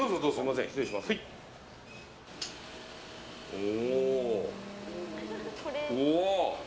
おお！